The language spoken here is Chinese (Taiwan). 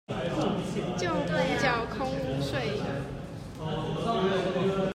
就補繳空屋稅